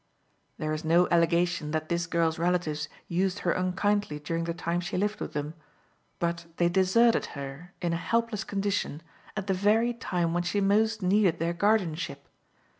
There is no allegation that this girl's relatives used her unkindly during the time she lived with them, but they deserted her, in a helpless condition, at the very time when she most needed their guardianship.